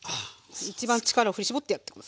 一番力を振り絞ってやってます。